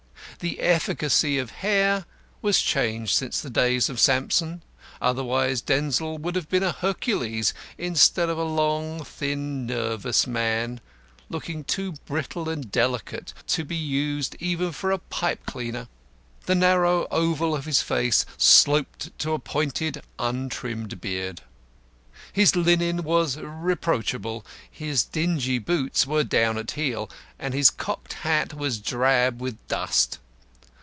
The efficacy of hair has changed since the days of Samson, otherwise Denzil would have been a Hercules instead of a long, thin, nervous man, looking too brittle and delicate to be used even for a pipe cleaner. The narrow oval of his face sloped to a pointed, untrimmed beard. His linen was reproachable, his dingy boots were down at heel, and his cocked hat was drab with dust.